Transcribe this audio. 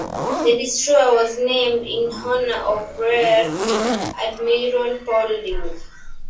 The destroyer was named in honor of Rear Admiral Paulding.